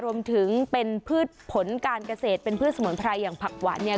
รวมถึงเป็นพืชผลการเกษตรเป็นพืชสมุนไพรอย่างผักหวานเนี่ย